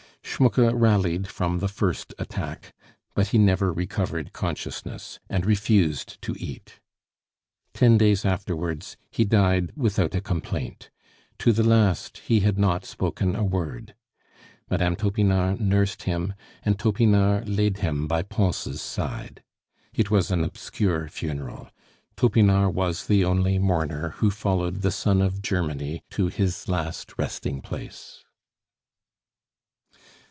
Schmucke rallied from the first attack, but he never recovered consciousness, and refused to eat. Ten days afterwards he died without a complaint; to the last he had not spoken a word. Mme. Topinard nursed him, and Topinard laid him by Pons' side. It was an obscure funeral; Topinard was the only mourner who followed the son of Germany to his last resting place.